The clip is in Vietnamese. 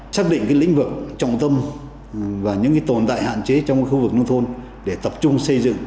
xác định lĩnh vực trọng tâm và những tồn tại hạn chế trong khu vực nông thôn để tập trung xây dựng